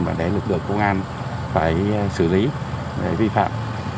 mà để lực lượng công an phải xử lý vi phạm